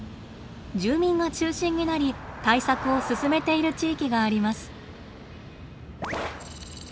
住民が中心になり対策を進めている地域があります。